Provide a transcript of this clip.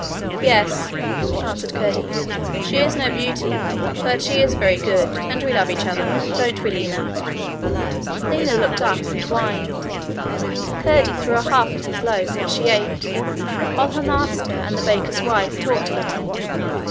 'Yes,' answered Curdie. 'She is no beauty, but she is very good, and we love each other. Don't we, Lina?' Lina looked up and whined. Curdie threw her the half of his loaf, which she ate, while her master and the baker's wife talked a little.